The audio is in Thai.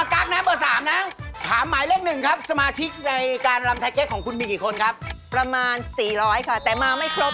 อ่ะไปนี่ตามครับถ้าตวรรณเบิร์กฟ้านี้ทำอย่างไรครับ